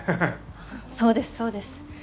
そうですそうです。